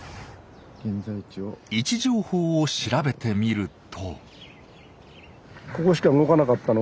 位置情報を調べてみると。